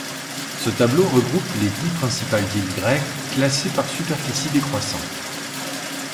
Ce tableau regroupe les dix principales îles grecques, classées par superficie décroissante.